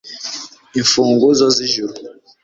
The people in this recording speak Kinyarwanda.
imfunguzo z'ijuru